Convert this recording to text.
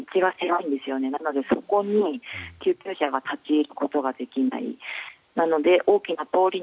なので、そこに救急車が立ち入ることができない。